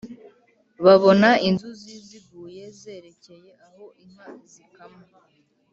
babona inzuzi ziguye zerekeye aho inka zikamwa